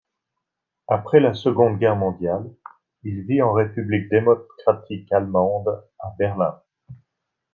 Après la Seconde Guerre mondiale, il vit en République démocratique allemande, à Berlin.